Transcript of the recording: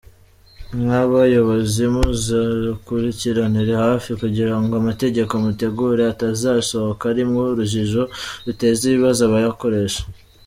Nk’abayobozi muzakurikiranire hafi kugira ngo amategeko mutegura atazasohoka arimwo urujijo, ruteza ibibazo abayakoresha.